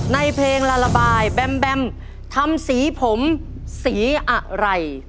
ในเพลงละระบายแบมแบมทำสีผมสีอะไร